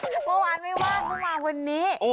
เมื่อวานไม่ว่างก็มาวันนี้